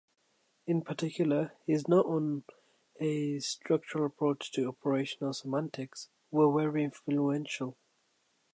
In particular, his notes on "A Structural Approach to Operational Semantics" were very influential.